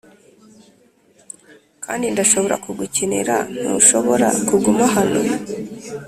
kandi ndashobora kugukenera; ntushobora kuguma hano? "